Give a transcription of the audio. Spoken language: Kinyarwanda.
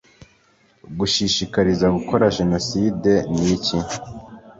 gushishikariza gukora jenoside ni iki?